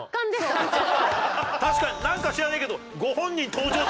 確かになんか知らねえけど。